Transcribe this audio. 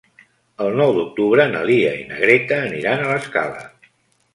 El nou d'octubre na Lia i na Greta aniran a l'Escala.